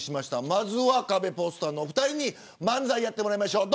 まずは、カベポスターのお２人に漫才やってもらいましょう。